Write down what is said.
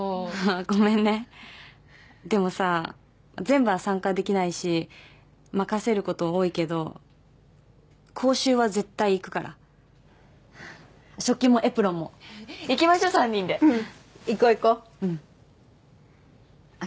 ごめんねでもさ全部は参加できないし任せること多いけど講習は絶対行くから食器もエプロンも行きましょう３人でうん行こう行こううんあっ